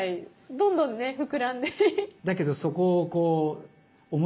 どんどんね膨らんで。